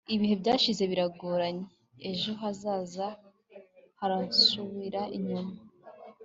ibihe byashize biriyongera, ejo hazaza harasubira inyuma